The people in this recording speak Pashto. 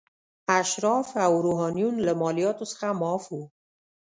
اشراف او روحانیون له مالیاتو څخه معاف وو.